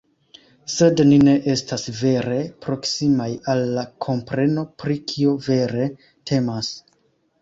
Sed ni ne estas vere proksimaj al la kompreno pri kio vere temas”.